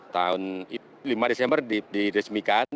tahun lima desember diresmikan